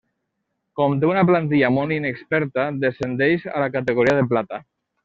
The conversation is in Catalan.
Com té una plantilla molt inexperta, descendeix a la categoria de plata.